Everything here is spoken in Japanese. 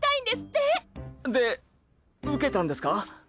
で受けたんですか？